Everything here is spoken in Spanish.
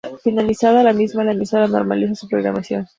Finalizada la misma, la emisora normaliza su programación.